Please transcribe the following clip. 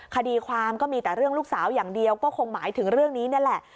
คดีความก็มีแต่เรื่องลูกสาวอย่างเดียวก็คงหมายถึงเรื่องนี้นี่แหละ